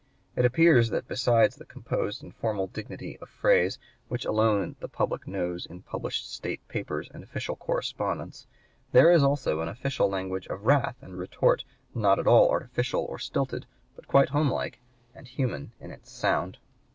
It appears that besides the composed and formal dignity of phrase which alone the public knows in published state papers and official correspondence, there is also an official language of wrath and retort not at all artificial or stilted, but quite homelike and human in its sound.